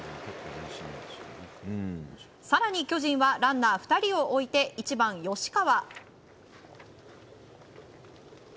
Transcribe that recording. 更に巨人はランナー２人を置いて１番、吉川。